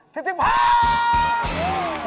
ทิศิภาค